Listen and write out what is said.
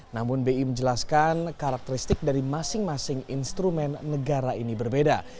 namun bi menjelaskan karakteristik dari masing masing instrumen negara ini berbeda